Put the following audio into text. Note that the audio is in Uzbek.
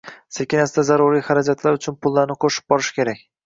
sekin-asta zaruriy xarajatlar uchun pullarni qo‘shib borish kerak.